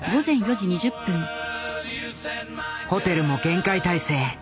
ホテルも厳戒態勢。